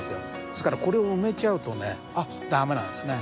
ですからこれを埋めちゃうとね駄目なんですよね。